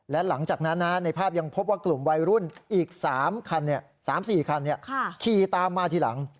และหลังจากนั้นในภาพยังพบว่ากลุ่มวัยรุ่นอีก๓คัน๓๔คันขี่ตามมาทีหลัง